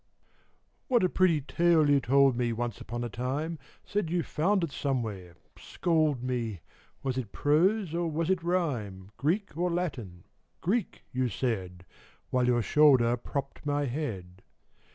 What a pretty tale you told me Once upon a time — Said you found it somewhere (scold me !) Was it prose or was it rhyme, Greek or Latin ? Greek, you said, While your shoulder propped my head.